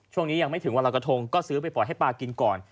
ช่วงนี้ยังไม่ถึงวันรอยกระทงก็ซื้อไปปล่อยให้ปลากินก่อน